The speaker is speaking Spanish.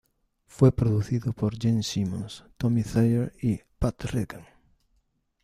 Fue producido por Gene Simmons, Tommy Thayer y Pat Regan.